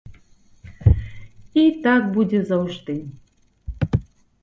І так будзе заўжды.